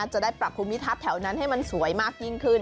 จะได้ปรับภูมิทัศน์แถวนั้นให้มันสวยมากยิ่งขึ้น